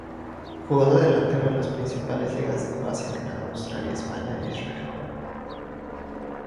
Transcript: Jugó de delantero en las principales ligas de Croacia, Canadá, Australia, España e Israel.